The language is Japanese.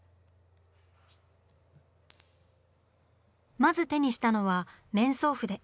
まず手にしたのは面相筆。